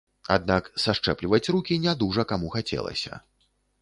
Аднак сашчэпліваць рукі не дужа каму хацелася.